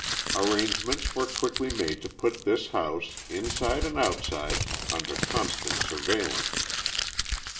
Arrangements were quickly made to put this house, inside and outside, under constant surveillance.